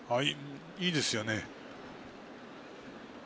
いいですよね。